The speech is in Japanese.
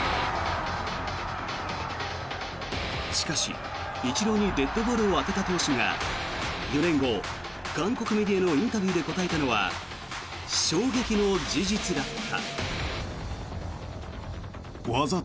しかし、イチローにデッドボールを当てた投手が４年後、韓国メディアのインタビューで答えたのは衝撃の事実だった。